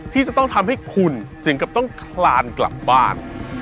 ที่จะต้องทำให้คุณถึงกับต้องคลานกลับบ้าน